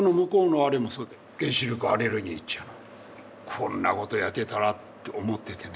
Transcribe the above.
こんなことをやってたらって思っててね。